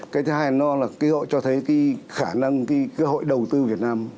cái thứ hai nó là cái hội cho thấy cái khả năng cái hội đầu tư việt nam